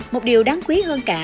một điều đáng quý hơn cả